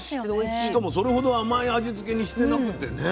しかもそれほど甘い味つけにしてなくてね。